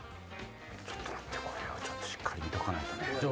ちょっと待ってこれをしっかり見とかないとね。